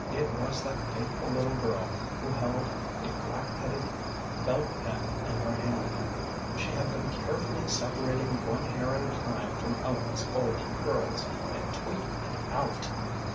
It was that faithful little girl, who held a black headed belt pin in her hand; she had been carefully separating one hair at a time from Ellen's golden curls, and tweaking it out.